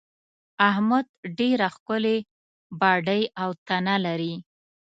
احمد ډېره ښکلې باډۍ او تنه لري.